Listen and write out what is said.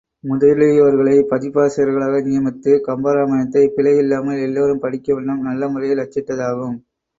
முதலியோர்களைப் பதிப்பாசிரியர்களாக நியமித்து கம்பராமாயணத்தைப் பிழை இல்லாமல் எல்லோரும் படிக்கும் வண்ணம் நல்ல முறையில் அச்சிட்டதாகும்.